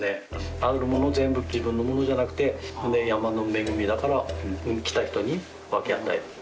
あるもの全部自分のものじゃなくて山の恵みだから来た人に分け与える。